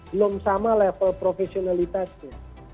belum sama level profesionalitasnya